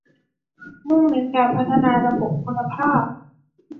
มุ่งเน้นการพัฒนาระบบคุณภาพ